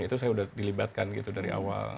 itu saya udah dilibatkan gitu dari awal